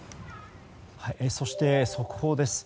そして、速報です。